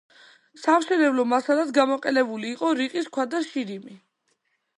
სამშენებლო მასალად გამოყენებული იყო რიყის ქვა და შირიმი.